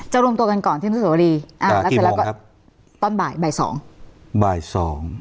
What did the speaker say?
จะรวมตัวกันก่อนที่อ่ากี่โมงครับตอนบ่ายบ่ายสองบ่ายสอง